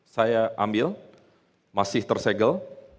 saya ambil masih tersegel